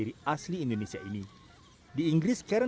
dan juga olimpiade